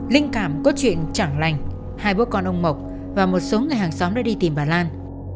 linh cảm có chuyện chẳng lành hai bố con ông mộc và một số người hàng xóm đã đi tìm bà lan